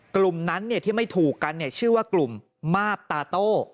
กลุ่มนั้นที่ไม่ถูกกันชื่อว่ากลุ่มมาบตาโต้